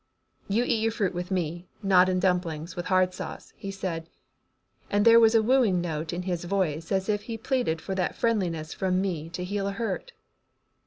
"You eat your fruit with me, not in dumplings with hard sauce," he said, and there was a wooing note in his voice as if he pleaded for that friendliness from me to heal a hurt.